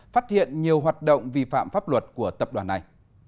phát hiện nhiều hoạt động vi phạm pháp luật của tập đoàn này